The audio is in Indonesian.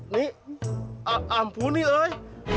nih ampuni oi